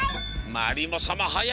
まりもさまはやい！